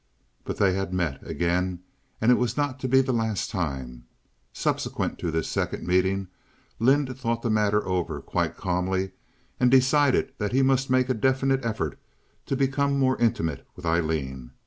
But they had met again, and it was not to be the last time. Subsequent to this second meeting, Lynde thought the matter over quite calmly, and decided that he must make a definite effort to become more intimate with Aileen.